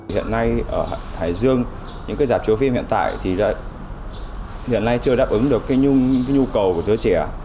hiện nay ở hải dương những dạp chiếu phim hiện tại thì hiện nay chưa đáp ứng được những nhu cầu của giới trẻ